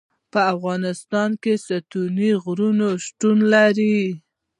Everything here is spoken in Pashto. په افغانستان کې ستوني غرونه شتون لري.